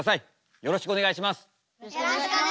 よろしくお願いします。